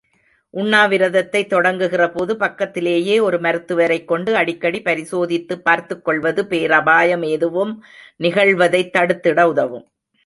உண்ணாவிரதத்தைத் தொடங்குகிறபோது, பக்கத்திலேயே ஒரு மருத்துவரைக் கொண்டு, அடிக்கடி பரிசோதித்துப் பார்த்துக்கொள்வது பேரபாயம் எதுவும் நிகழ்வதைத் தடுத்திட உதவும்.